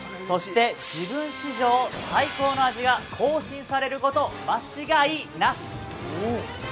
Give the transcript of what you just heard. そして、自分史上最高の味が更新されること、間違いなし！